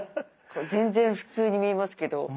全然普通に見えますけど。